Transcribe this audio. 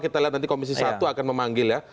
kita lihat nanti komisi satu akan memanggil ya